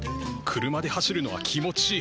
車で走るのは気持ちいい。